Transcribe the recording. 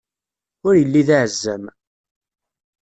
Ur illi d aɛezzam!